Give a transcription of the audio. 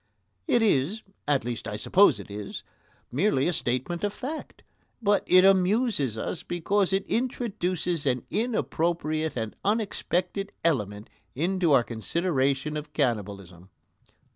It is at least, I suppose it is merely a statement of fact, but it amuses us because it introduces an inappropriate and unexpected element into our consideration of cannibalism.